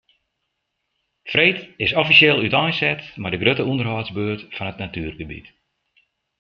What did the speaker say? Freed is offisjeel úteinset mei de grutte ûnderhâldsbeurt fan it natuergebiet.